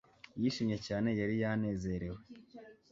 Yishimye cyane yari yanezerewe